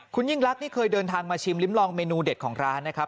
คุณยิ่งรักนี่เคยเดินทางมาชิมลิ้มลองเมนูเด็ดของร้านนะครับ